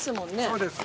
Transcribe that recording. そうです。